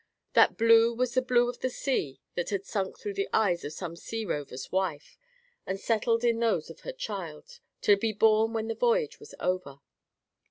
That blue was the blue of the sea that had sunk through the eyes of some sea rover's wife and settled in those of her child, to be born when the voyage was over.